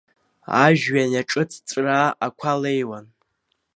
Ажәҩан иаҿыҵҵәраа ақәа леиуан.